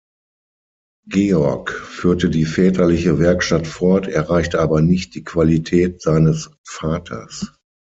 Georg führte die väterliche Werkstatt fort, erreichte aber nicht die Qualität seines Vaters.